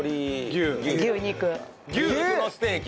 牛肉のステーキ！